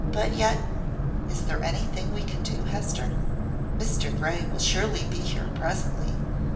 But yet is there anything we can do, Hester?" "Mr Grey will surely be here, presently.